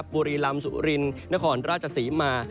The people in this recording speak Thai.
บุรีลำสุรินนครราชศรีมา